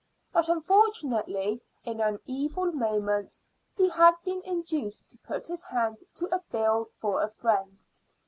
But unfortunately, in an evil moment he had been induced to put his hand to a bill for a friend.